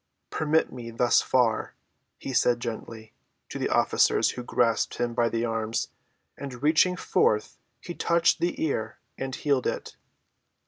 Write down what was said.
"Permit me thus far," he said gently to the officers who grasped him by the arms, and reaching forth he touched the ear and healed it.